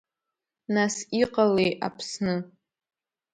Нас, иҟалеи, Аԥсны…